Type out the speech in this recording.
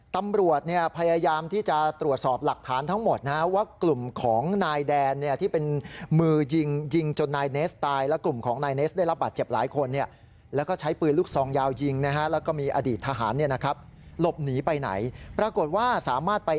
ตำรวจนี่พยายามที่จะตรวจสอบหลักฐานทั้งหมดนะ